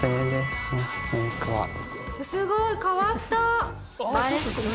すごい変わった。